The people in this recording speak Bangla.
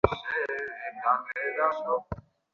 আমি আপনাকে বলছি, পৃথিবীতে এই কথাটি কেউ বুঝতে পারছে না।